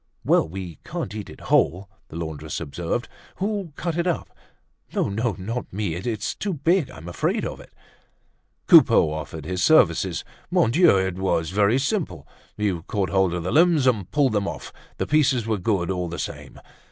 "Well! We can't eat it whole," the laundress observed. "Who'll cut it up? No, no, not me! It's too big; I'm afraid of it." Coupeau offered his services. Mon Dieu! it was very simple. You caught hold of the limbs, and pulled them off; the pieces were good all the same.